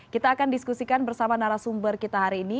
kita akan diskusikan bersama narasumber kita hari ini